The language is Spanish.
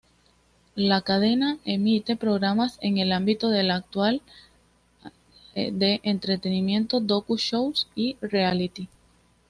La cadena emite programas en el ámbito del actual, de entretenimiento, docu-shows y reality.